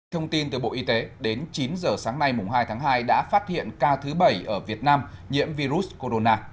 thông tin từ bộ y tế đến chín giờ sáng nay hai tháng hai đã phát hiện ca thứ bảy ở việt nam nhiễm virus corona